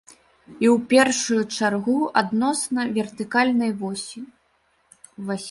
І ў першую чаргу адносна вертыкальнай восі.